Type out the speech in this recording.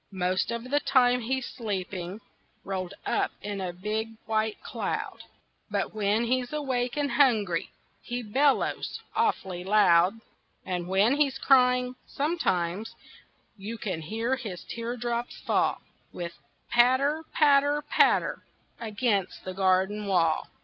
Most of the time he's sleeping, Rolled up in a big white cloud, But when he's awake and hungry He bellows awfully loud. And when he's crying, sometimes You can hear his teardrops fall With a patter, patter, patter, Against the garden wall.